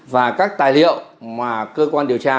và các tài liệu mà cơ quan điều tra